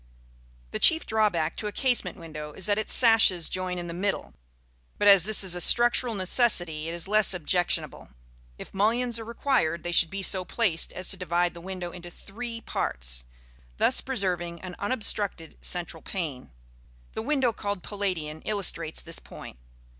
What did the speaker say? The chief drawback to a casement window is that its sashes join in the middle; but as this is a structural necessity, it is less objectionable. If mullions are required, they should be so placed as to divide the window into three parts, thus preserving an unobstructed central pane. The window called Palladian illustrates this point.